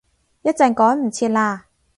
一陣趕唔切喇